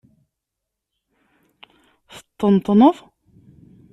Teṭṭenṭneḍ?